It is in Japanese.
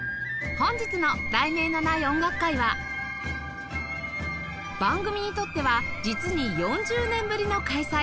本日の『題名のない音楽会』は番組にとっては実に４０年ぶりの開催